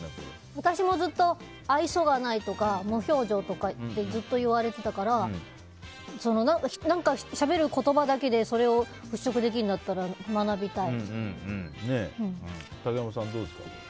私もずっと、愛想がないとか無表情とかってずっと言われてたからしゃべる言葉だけでそれを払拭できるなら竹山さん、どうですか？